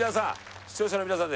視聴者の皆さん